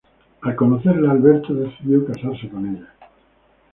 Al conocerla, Alberto decidió casarse con ella.